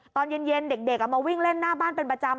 ตอนเย็นเด็กเอามาวิ่งเล่นหน้าบ้านเป็นประจำ